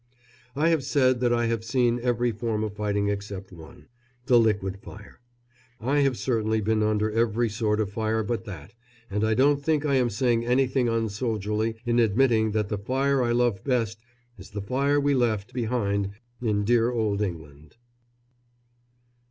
I have said that I have seen every form of fighting except one the liquid fire. I have certainly been under every sort of fire but that, and I don't think I am saying anything unsoldierly in admitting that the fire I love best is the fire we left behind in dear old England.